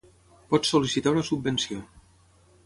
pots sol·licitar una subvenció